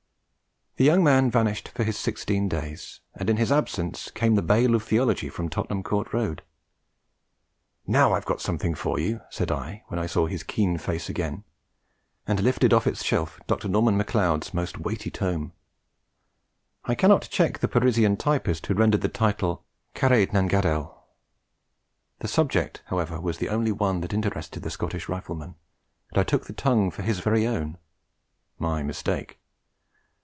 The young man vanished for his sixteen days, and in his absence came the bale of theology from Tottenham Court Road. 'Now I've got something for you,' said I when I saw his keen face again; and lifted off its shelf Dr. Norman Macleod's most weighty tome. I cannot check the Parisian typist who rendered the title Caraid nan Gaidherl; the subject, however, was the only one that interested the Scottish Rifleman, and I took the tongue for his very own. My mistake!